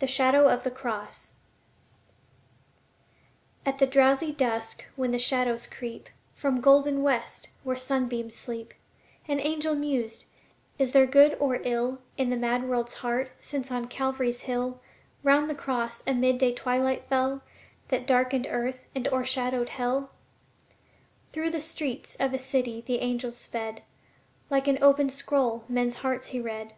The Shadow of the Cross At the drowsy dusk when the shadows creep From the golden west, where the sunbeams sleep, An angel mused: "Is there good or ill In the mad world's heart, since on Calvary's hill 'Round the cross a mid day twilight fell That darkened earth and o'ershadowed hell?" Through the streets of a city the angel sped; Like an open scroll men's hearts he read.